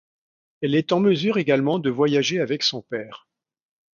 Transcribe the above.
Elle est en mesure également de voyager avec son père.